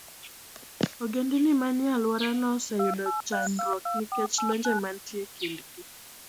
Ogendini manie alworano oseyudo chandruok nikech lwenje mantie e kindgi.